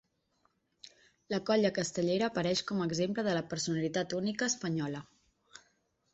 La colla castellera apareix com a exemple de la ‘personalitat única’ espanyola.